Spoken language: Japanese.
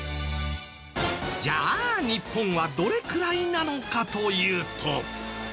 じゃあ日本はどれくらいなのかというと。